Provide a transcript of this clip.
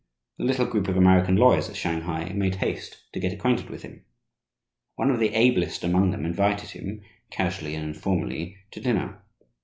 The little group of American lawyers at Shanghai made haste to get acquainted with him. One of the ablest among them invited him, casually and informally, to dinner.